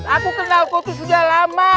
aku kenal kau itu sudah lama